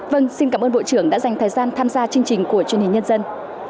vâng xin cảm ơn bộ trưởng đã dành thời gian tham gia chương trình của truyền hình nhân dân